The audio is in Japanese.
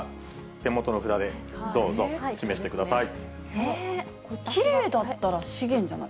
手元の札でどうぞ、示してください。